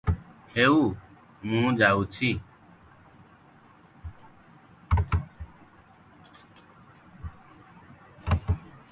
ହେଉ ମୁଁ ଯାଉଚି ।